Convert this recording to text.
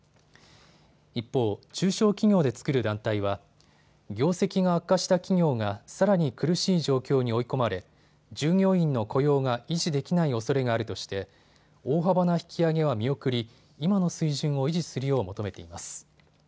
一方、中小企業で作る団体は業績が悪化した企業がさらに苦しい状況に追い込まれ従業員の雇用が維持できないおそれがあるとして大幅な引き上げは見送り今の水準を維持するよう求めています。